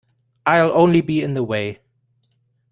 I'll only be in the way.